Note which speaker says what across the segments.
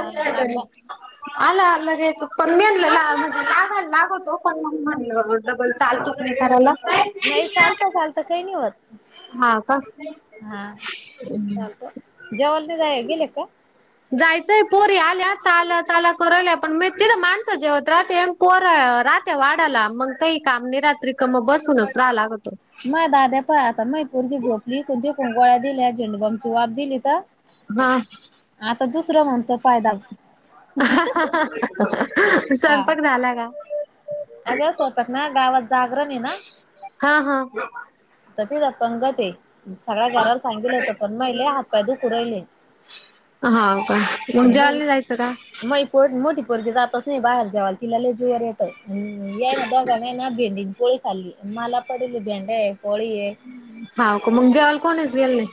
Speaker 1: हा लागला
Speaker 2: आला लगेच पण मी म्हणल लागवतो पण म्हणल डबल चालतोका नाही करायला.
Speaker 1: नाही चालत चालतं काही नाही होत.
Speaker 2: हां.
Speaker 1: हा चालत जेवायला जायेल गेलीय का.
Speaker 2: जायचंय पोरी आल्या चाल चाला करुण राहल्या पण तिथं माणसं जेवत राहते. पोर राहते वाढायला मग काही काम नाही राहत मग बसूनच राहा लागते.
Speaker 1: म दाद्या पहा आता मही पोरगी झोपली इकुण तिकीट गोळ्या दिल्या झेंडूबामची वाफ दिली तर
Speaker 2: हा.
Speaker 1: आता दुसरं म्हणतो पाय दाब
Speaker 2: स्वयंपाक झाला का.
Speaker 1: अग स्वयंपाक ना गावात जागरन आहेन.
Speaker 2: हा हा.
Speaker 1: तर तिथे पंगत आहे सगळ्या घराला सांगितलं होतं पण महे लय हातपाय दुखू रहिले.
Speaker 2: हो का मग जेवायला नाही जायचं का.
Speaker 1: मही मोठी पोरगी जातच नाही बाहेर जेवायला तिला लय जिवार येत. यांनी दोघांना हेना भेंडी पोळी खाल्ली मला पडेलेली आहे भेंड्या आहे पोळी आहे.
Speaker 2: हो का मग जेवायला कोणीच गेल नाही.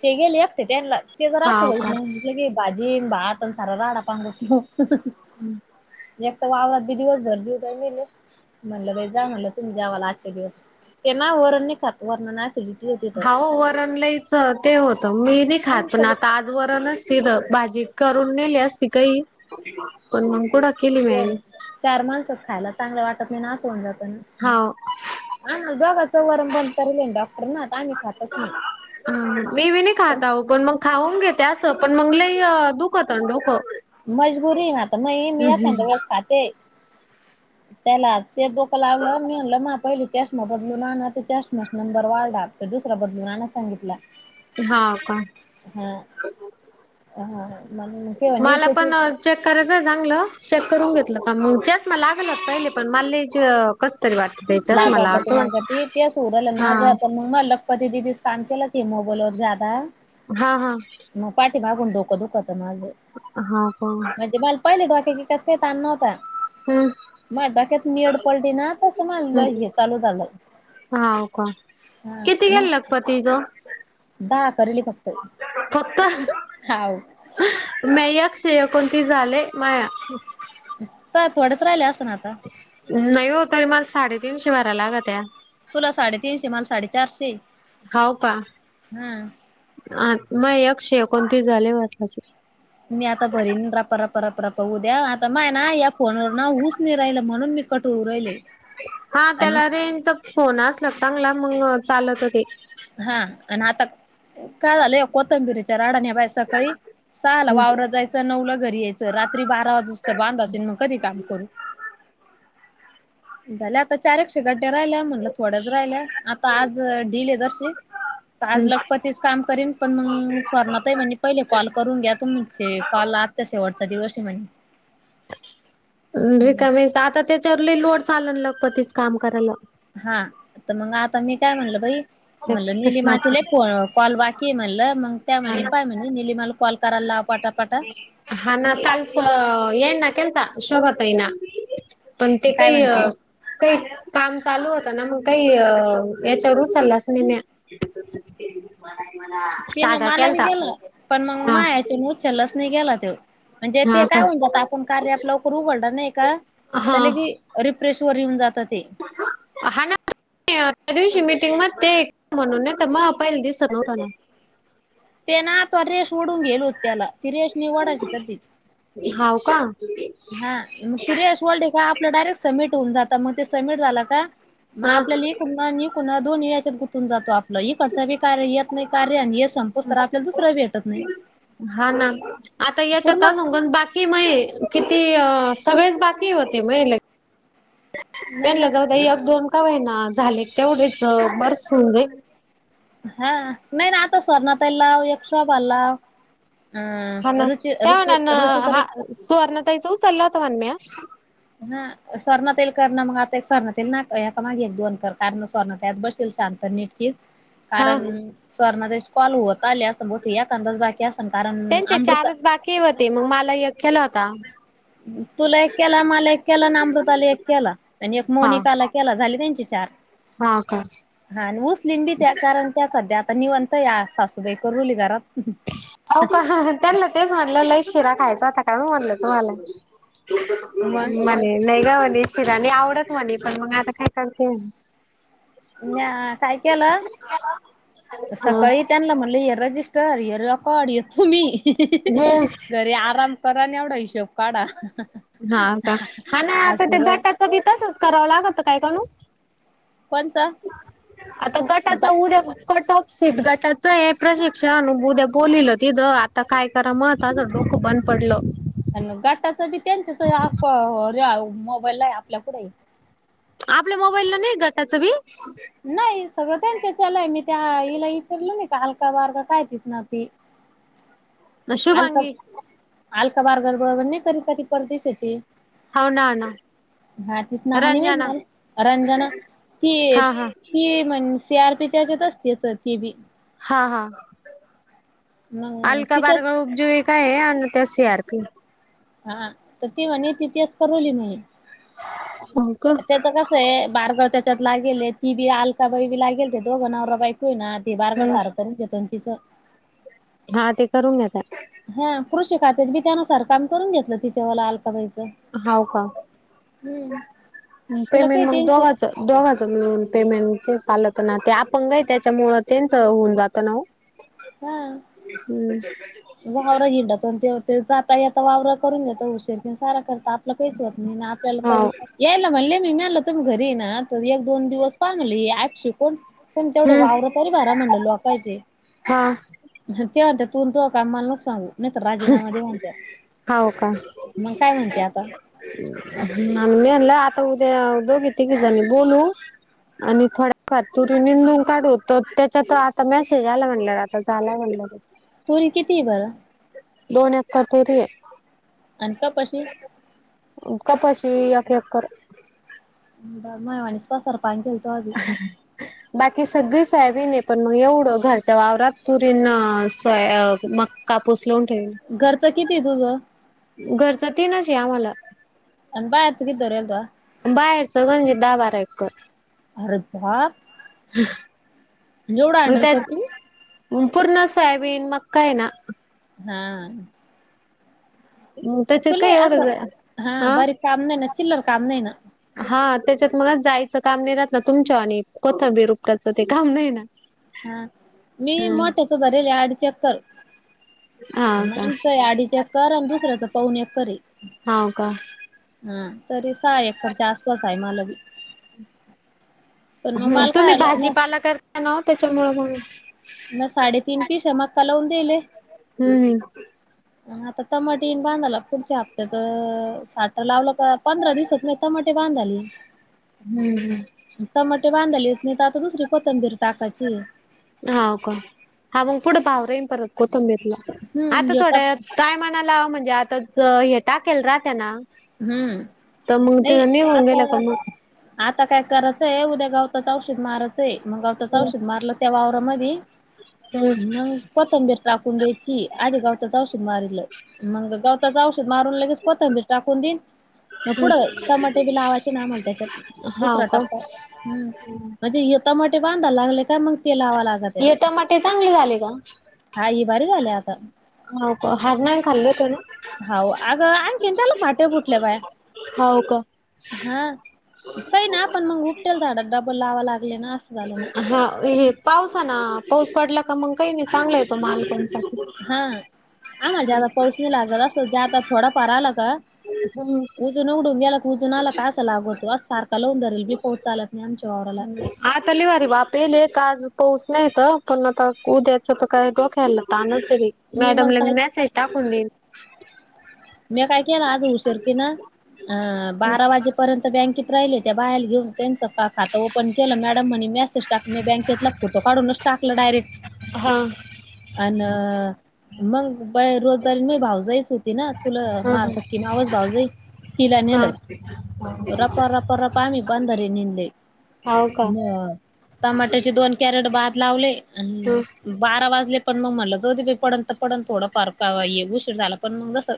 Speaker 1: ते गेले एकटे त्यांनला ते तर असते
Speaker 2: हाव
Speaker 1: घरी तर
Speaker 2: का.
Speaker 1: मग लगे भाजी आणि भात सारा गहाटा पांगतो.
Speaker 2: ह.
Speaker 1: एक तर वावरात बी दिवसभर जीव दमेल आहे. म्हणलं बाई जा म्हणलं तुम्ही जेवायला आजच्या दिवस ते ना वरण नाही खात वरणानी असिडीटी होती. तर
Speaker 2: हो वरण लईच ते होतं मी नाही खात
Speaker 1: आम्ही
Speaker 2: पण
Speaker 1: सगळे
Speaker 2: आता आज वरणच केल भाजी करून नेली असती काही पण मग पुढ
Speaker 1: ते चार माणसात खायला चांगलं वाटत नाही ना अस होऊन जाते न
Speaker 2: हाव
Speaker 1: आ दोघाचं वरण बंद करेल आहेना डॉक्टर नी तर आम्ही खातच नाही.
Speaker 2: मी बी नाही खाता पण मग खाऊन घेत असं पण मग ल दुखत डोकं
Speaker 1: मजबुरी ना तर मग मी एकखंदवस खात
Speaker 2: ह.
Speaker 1: त्यांला ते डोकं लावलं मी म्हटलं माझा पहिले चष्मा बदलून आणा तर चष्माचा नंबर वाढला. तर दुसरा बदलून आणायला सांगितला.
Speaker 2: हा का
Speaker 1: हा हा म्हणुन
Speaker 2: मला पण चेक करायचंय चांगलं चेक करून घेतलं का मग चेच म लागल पहिले पण म कस तरी वाटतं त्याच्यास
Speaker 1: लाज
Speaker 2: मला अर्थ वाट हा
Speaker 1: मग मग लखपती दिदीच काम केलं की मोबाईल व जादा
Speaker 2: हा हा.
Speaker 1: मग पाठी मागून डोकं धोकच माझं
Speaker 2: हा का
Speaker 1: म्हणे मला पहिले डोक्या क काही त आण नव्हता
Speaker 2: हम्म
Speaker 1: मग डोक्यात निड पलट ना.
Speaker 2: ह
Speaker 1: मला हे चालू झालं
Speaker 2: होा का किती गेलं लगप तिचं
Speaker 1: द करली फक्त हा
Speaker 2: मेयक शेयकोणती झाले माया
Speaker 1: का थोडेच राहिले असं ना आता
Speaker 2: नाही होतरी मला साडेतीीनशे वरा लाग त्या
Speaker 1: तुला साडेतीीनशे मला साडेचारशे
Speaker 2: हाव का
Speaker 1: हा
Speaker 2: अ मग यशे एकोणतीस झाले वाटचे
Speaker 1: मी आता भरीन राप रप रप रा पाऊ द्या आता माय ना या फोनवर ना हऊस नाही राहिलं म्हणून मी कट होवून राहिले.
Speaker 2: हा
Speaker 1: आणि
Speaker 2: त्याला रेंचा फोन असल चांगला मग चालत हो ते.
Speaker 1: हा आणि आता काय झालं कोथंबिरीच्या राडानेभ्यास सकाळी ल वावर जायचं. नऊला घरी यायचं रात्री बारा वाज अस तर बांधा असेल मग कधी काम करू. झाले आता चारकशे गड्ड्या राहिल्या म्हणलं थोड्याच राहिल्या आता आज ढिल आहे दर्शी. आज लगपतच काम करीन पण मग स्वर्णात आहे म्हणजे पहिले कॉल करून घ्या तो म्ह कॉल आत तसे वढता दिवस आहे म्हणे.
Speaker 2: रिकामेस आता त्याच्यावरली लोड चाल ना लगपतीच काम करायला.
Speaker 1: हा तर मग आता मी काय म्हणलं बाई
Speaker 2: ते
Speaker 1: म्हणलं
Speaker 2: कृष्णाच
Speaker 1: निलीमातीला कॉल की म्हणलं मग त्या म्हणे पाय म्हणे निलीिमाला कॉल करायला पाटापाट
Speaker 2: हा ना कळस येना केलत शोभातयना. पण ते
Speaker 1: काय
Speaker 2: काही
Speaker 1: म्हण
Speaker 2: अ
Speaker 1: तुला
Speaker 2: काही काम चालू होतं ना मग काही याच्यावर चालला असं नाही. ठी [unintelligible]
Speaker 1: ते ना मला बी गेलं पण मग
Speaker 2: हा
Speaker 1: मा याच्या उचल नाही केला ते म्हणजे
Speaker 2: हा
Speaker 1: ते
Speaker 2: का?
Speaker 1: काय होऊन जात आपण कार्य आप लवकर उघडणार नाही का
Speaker 2: हा
Speaker 1: ल की. रिफ्रेश वर येऊन जात ते.
Speaker 2: हा ना. त्या दिवशी म मिटिंग म ते एक म्हणून न त्या मग पाला दिसत नव्हतना.
Speaker 1: ते ना आता रेश ओढून गेल होत त्याला ती रेश म ओढाची तर तीच.
Speaker 2: हाव का.
Speaker 1: हा मग ती रेश वल्ट का आपलं डायरेक्ट सबमिट होऊन जात मग ते सबमिट झालं का. मग
Speaker 2: हा
Speaker 1: आपल्याला एकण एकण दोन याच्यात गुथून जातो आप. ल इकडचं बी कार येत नाही कार्य हे संपोच तर आपल्याला दुसरा भेटत नाही.
Speaker 2: हा आता याच्या.
Speaker 1: पूर्ण
Speaker 2: [unintelligible] कि मय किती सगळेच बाकी होते मय ल.
Speaker 1: नाही ना
Speaker 2: पेनल्या जाऊ एक दोन का बा आहे ना झाले तेवढेच बर सजे [unintelligible]
Speaker 1: हा नाही ना आता स्वर्णातई लाव एक शोभा ला लाव. अह रुचि रुचिऋचि तरी
Speaker 2: सुवर्णातयतव चलत वनम्या.
Speaker 1: हा स्वर्णातईल कर ना मग आता स्वर्णातई येईल ना मागे एक दोन कर कारण स्वर्णतत बसेल शांत. तर नटकीस.
Speaker 2: ह.
Speaker 1: कारण स्वर म कॉल होत आले अस ब एखंदाच बाकी असल कारण.
Speaker 2: त्यांचे
Speaker 1: अमृता
Speaker 2: चारच बाकी होते मग मला एक केलं होता.
Speaker 1: तुला एक केला मला एक केला अन् आमृता ली एक केला. आणि एक
Speaker 2: हा
Speaker 1: मोनिकाला केला झाली त्यांची चार.
Speaker 2: हा का.
Speaker 1: हा उऊसलीन बी त्या कारण त्या सध्या आता नीवंत या सासू बेकर रुली घरात.
Speaker 2: अ का त्यांना तेच म्हणलं लई शिरा खायचा होता का म्हणल तुम्हाला.
Speaker 1: मग
Speaker 2: म्हणे नाही ग म्हणे शिराणी आवडत म्हणे पण मग आता काय करते.
Speaker 1: न काय केलं
Speaker 2: हम्म
Speaker 1: सकाळी त्यां आणलं म्हणलं इरजिस् तर यरकड ये तुम्ही
Speaker 2: हे
Speaker 1: घरी आराम करा नि एवढा हिशब काढा हा सुर.
Speaker 2: तीताचच करावं लागत काय काणू.
Speaker 1: कोणच
Speaker 2: आता गटात
Speaker 1: ग
Speaker 2: उद्या कट सिितगटाच आहे प्रशिक्षण अु उद्या बोललील तिथं आता काय करा मग. त तर डोक बंद पडल.
Speaker 1: गाटाच बी त्यांच्याच मोबाईल आहे आपल्या पुुढे
Speaker 2: आपल्या मोबाईलला नाही गटाचं भी
Speaker 1: नाही सगळं त्यांच्या चलय मी त्या हिला विचारल नाही का हलका बारका काय तस ना ते आल का
Speaker 2: शुभांगी
Speaker 1: आल काबार गडब नाही कर कधी पडतेस
Speaker 2: होन ना
Speaker 1: हा तीच नाव नि मा
Speaker 2: रंजना
Speaker 1: मला रंजना ती
Speaker 2: हा हा
Speaker 1: ती म्हण स आर चर्चेत असते अस टी बी
Speaker 2: हा हा
Speaker 1: मग
Speaker 2: अलका
Speaker 1: तिच्यात
Speaker 2: बारगळ उपजीवी काय आहे आणि ते सी आरपी
Speaker 1: हा तर ती म्हणे त इथिहास करवली म्ह
Speaker 2: हो का?
Speaker 1: त्याचा कास बारगा त्याच्यात लागेल ती बी अलका बाई बी लागेल ते दोघं न बाई ना ते बारग
Speaker 2: हम्म
Speaker 1: सारं करत घेतो तिचं
Speaker 2: हा ते करून घ्याता
Speaker 1: हा कृषी खात्यात बी त्यानुसार काम करून घेतलं तिच्या वला अलकाबाईचं
Speaker 2: होव का
Speaker 1: हम्म तिला काही
Speaker 2: पेमेंट मग दोघाच
Speaker 1: टेन्शन
Speaker 2: दोघाच म्हळून पेमेंट ते चालं प ना ते आपण गय त्याच्यामुळ त्यांच होऊन जातं ना हो ह
Speaker 1: हम्
Speaker 2: हम्म
Speaker 1: वावरा हिंडा ते जाताता वावररा करून देतो उशीर किंवा सारा करत आपलं काहीच होत नाही आपल्याला तर
Speaker 2: हाव
Speaker 1: यायला म्हणले मी मिळाल तुम घरी ना तर एक दोन दिवस पामली श कोण पण तेवढे
Speaker 2: हम्म
Speaker 1: वावरतरी भारा म्हणलं लोकायचे
Speaker 2: हा
Speaker 1: ते म्हते त तू का मला लोक सांगू नाही तर राजीनामा दे म्हणते मग काय म्हणते आता
Speaker 2: आम मेला आता उद्या दोगी तघनी बोलू आणि थोड्याफार तुरी मंदून काढूत त्याच्यात आता मेसेज आला म्हण आता झाला म्हणणार
Speaker 1: तुरी किती बर
Speaker 2: दोन एककापोरी
Speaker 1: आणि का कशी
Speaker 2: कपाशी एक एकर
Speaker 1: मावाणीस पसरपाेतो
Speaker 2: बाकी सगळी शयाज नाही पण मग एवढं घर वावरात तुरीन स मक्का पोस लावून ठेवल
Speaker 1: घरचं किती तुझं
Speaker 2: घरचा ते नसे आम्हाला
Speaker 1: अन बाय सगावर अलल्वा
Speaker 2: बाहेरचं म्हणजे दहा बारा एकर
Speaker 1: अरता
Speaker 2: मग
Speaker 1: हँडल
Speaker 2: त्यात
Speaker 1: करती
Speaker 2: पूर्ण सोयाबीन मग काय ना
Speaker 1: हा
Speaker 2: त्याच काय
Speaker 1: तुले असं
Speaker 2: एवढंच हा
Speaker 1: बारीक काम नाही ना चिल्लर काम नाही ना
Speaker 2: हा त्याच्यात मगच जायचं काम नाही राहात ना तुमच्या आणि कोसं बेरुपटाचं ते काम नाही ना
Speaker 1: हा मी
Speaker 2: हम्म
Speaker 1: मोठ्याच भरेले आणिड चेक करू
Speaker 2: हाव का
Speaker 1: आमचं आडीच एकर आणि दुसऱ्याच पाऊन एकर आहे
Speaker 2: हाव का
Speaker 1: हा तरी सहा एकरच्या आसपास आहे मला बी पण मग
Speaker 2: ह
Speaker 1: मला काय
Speaker 2: तुम्ही
Speaker 1: आलं म
Speaker 2: भाजीपाला करता ना त्याच्यामुळ मग
Speaker 1: म साडेतीन पिस आहे मका लावून देले
Speaker 2: हम्म
Speaker 1: आता तमाटीन बांधाला पुढच्या हप्त्यात साठर लावलं का पंधरा दिवसात टमाटे बांध झाली
Speaker 2: हम्म हम्म
Speaker 1: टमाटे बांधालेच नाही तर आता दुसरी कोथंबीर टाकाची
Speaker 2: हो का हा मग पुढं भाव राईन परत कोथंबीरला
Speaker 1: हम्म
Speaker 2: आता
Speaker 1: हे
Speaker 2: थोड्या
Speaker 1: टप
Speaker 2: काय म्हणाला म्हणजे आता हे टाकेल रा त्याना
Speaker 1: हम्म
Speaker 2: तमंग त
Speaker 1: नाही
Speaker 2: न होंगेला
Speaker 1: आता
Speaker 2: कम
Speaker 1: आता काय करायचंय उद्या गावताच औषध मारयचंय मग गावताच
Speaker 2: हम्म
Speaker 1: औषध मारलं त्या वावरा मधी
Speaker 2: हम्म
Speaker 1: मग कोथंबीर टाकून द्यायची आधी गावताच औषध मारलं मग गवताचं औषध मारून लगेच कोतं मी टाकून देईन मग पुढं
Speaker 2: हम्म
Speaker 1: टमाटे बी लावायचे ना म्हला त्याच्यात
Speaker 2: हाव
Speaker 1: दुसरा
Speaker 2: का
Speaker 1: टप्पा हम्म म्हणजे युता मोठे बांधय लागले का मग ते लावा लाग
Speaker 2: हे टमाटे चांगले झाले का
Speaker 1: हा ही बारी झाली आता
Speaker 2: हो का हरनान खल्ेत ना
Speaker 1: हा अगं आणखीन त्याला फाटे फुटले बाया
Speaker 2: हाव का?
Speaker 1: हा काही ना आपण मग उपटेल झाडात डबल लावा लागले ना अस
Speaker 2: हा हे पाऊस ना पाऊस पडला का मग काही नाही चांगला येतो माल कोणचा
Speaker 1: हा आ म ज पाऊस नाही लागल असं जात थोडा पर आला का
Speaker 2: हम
Speaker 1: उुजून उघडून गेला क उजून आला काय अस लागतो असज सारखा लवून धल बी पोचालात नाही आमच्या ववराला
Speaker 2: आता लिवारी बाप ये आज पाऊस नाहीत पण आता उद्याचं तर काही डोक्यायला तरनचरी
Speaker 1: मी
Speaker 2: मॅडम
Speaker 1: मग
Speaker 2: ल
Speaker 1: काय
Speaker 2: मेसेज टाकून दे
Speaker 1: मी काय केलं आज उशीरतेी ना अ
Speaker 2: हा
Speaker 1: बारा वाजे पर्यंत बँकेत राहिले त्या बाहेर घेऊन त्यांच खातं ओपन केलं मॅडम म्हणे मेसेज टाक मी बँकेतला फोटो काढूनच टाकलं डायरेक्ट
Speaker 2: हा
Speaker 1: अ मग बा रोजदारी मी भाव जायच होती ना तुला मा असक्
Speaker 2: हा
Speaker 1: कि मा आवाज भाऊ जाई तिला नेलं रप रप रप आम्ही बंदरे निंदले
Speaker 2: हाव का
Speaker 1: मग टमाटरचे दोन कॅरेट भात लावले आणि
Speaker 2: ह
Speaker 1: बारा वाजले पण मग म्हणलं ज होते पडंत तर पण थोडं फार का उशीर झाला पण मगस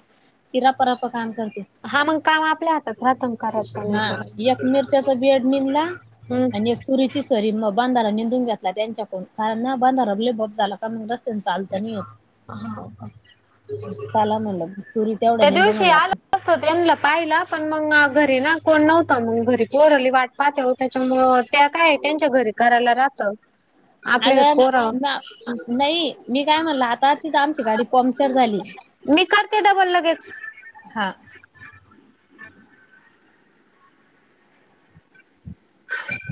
Speaker 2: हा मग काम आपल्या हातात प्रथम करत त्यां
Speaker 1: हा
Speaker 2: नाही
Speaker 1: एक मिरच्याचा बेड निंदला
Speaker 2: हम्
Speaker 1: आणि एक तुरीची सरी म बांधारा निेंदून घेतला त्यांच्याकडून कारण ना बांधारा ब्लेबब झाला मी रस्ते चालत नाही य चाला म्हलं
Speaker 2: त्या दिवशी याला असत तेलं पाहिला पण मग घरी ना कोण नव्हतं मग घरी परली वाट पाचेव त्याच्यामु त्या काय त्यांच्या घरी करायला राहत आपले
Speaker 1: अग
Speaker 2: पोर
Speaker 1: का नाही मी काय म्हणलं आता तिथ आमची गाडी पंक्चर झाली [inaudible]
Speaker 2: मी करते डबल लगेच
Speaker 1: हा